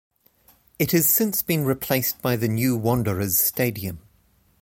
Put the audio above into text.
It has since been replaced by the New Wanderers Stadium.